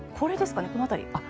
この辺り？